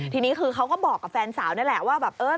ทีนี้คือเขาก็บอกกับแฟนสาวนั่นแหละว่าแบบเออ